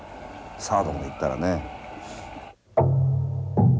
サードまで行ったらね。